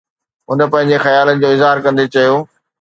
هن پنهنجي خيالن جو اظهار ڪندي چيو